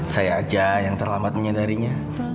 saya aja yang terlambat menyadarinya